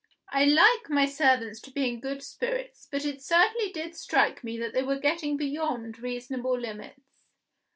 I like my servants to be in good spirits; but it certainly did strike me that they were getting beyond reasonable limits.